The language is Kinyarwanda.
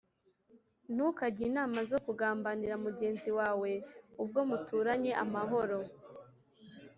ntukajye inama zo kugambanira mugenzi wawe, ubwo muturanye amahoro